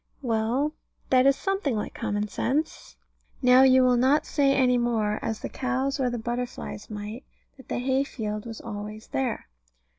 Well, that is something like common sense. Now you will not say any more, as the cows or the butterflies might, that the hay field was always there.